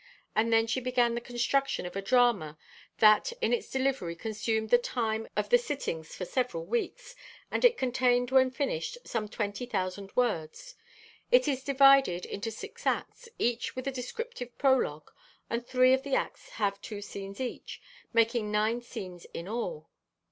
And then she began the construction of a drama that in its delivery consumed the time of the sittings for several weeks, and it contained when finished some 20,000 words. It is divided into six acts, each with a descriptive prologue, and three of the acts have two scenes each, making nine scenes in all.